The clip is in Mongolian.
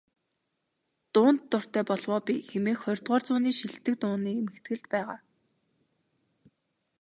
"Дуунд дуртай болов оо би" хэмээх ХХ зууны шилдэг дууны эмхэтгэлд байгаа.